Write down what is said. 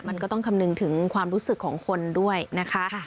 มันก็ต้องคำนึงถึงความรู้สึกของคนด้วยนะคะ